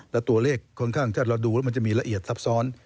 และตัวเลขค่อนข้างถ้าเราดูแล้วมันจะมีละเอียดซับซ้อน